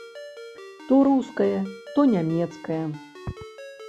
То рускае, то нямецкае.